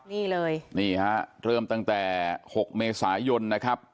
นี่เลยนี่ฮะเริ่มตั้งแต่๖เมษายนนะครับ